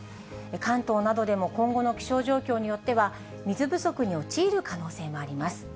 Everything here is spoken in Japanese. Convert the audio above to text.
関東などでも今後の気象状況によっては、水不足に陥る可能性もあります。